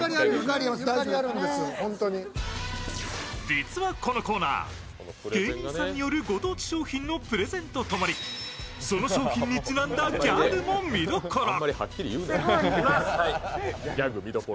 ＴＡＵ実はこのコーナー、芸人さんによるご当地商品のプレゼンと共にその商品にちなんだギャグも見どころ。